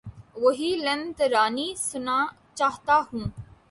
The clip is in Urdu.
وہی لن ترانی سنا چاہتا ہوں